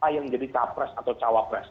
yang jadi capres atau cawapres